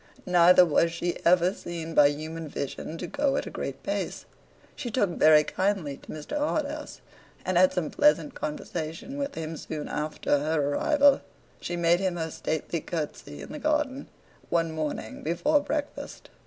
Neither was she ever seen by human vision to go at a great pace. She took very kindly to Mr. Harthouse, and had some pleasant conversation with him soon after her arrival. She made him her stately curtsey in the garden, one morning before breakfast.